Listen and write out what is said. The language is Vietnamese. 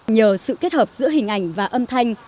nhờ sự kết hợp giữa hình ảnh và âm thanh